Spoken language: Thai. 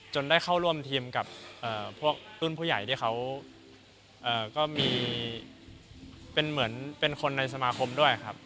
ได้เข้าร่วมทีมกับพวกรุ่นผู้ใหญ่ที่เขาก็มีเป็นเหมือนเป็นคนในสมาคมด้วยครับ